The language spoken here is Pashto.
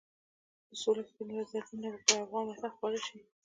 د سولې سپین وزرونه به پر افغان وطن خپاره شي.